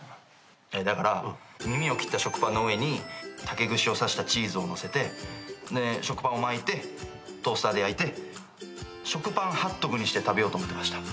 だから耳を切った食パンの上に竹串を刺したチーズをのせて食パンを巻いてトースターで焼いて食パンハットグにして食べようと思ってました。